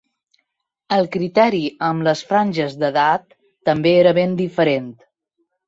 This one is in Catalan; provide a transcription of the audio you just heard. El criteri amb les franges d’edat també era ben diferent.